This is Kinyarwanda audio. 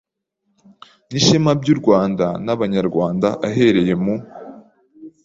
n’ishema by’u Rwanda n’Abanyarwanda ahereye mu